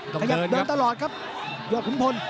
ขยับเดินตลอดครับยอดขุนพล